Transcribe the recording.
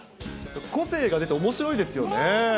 個性が出ておもしろいですよね。